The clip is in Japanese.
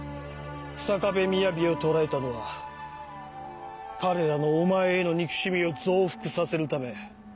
日下部みやびを捕らえたのは彼らのお前への憎しみを増幅させるため。